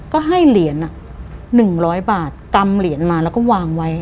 ก็ให้เหรียญ๑๐๐บาทกำเหรียญมาแล้วก็วางไว้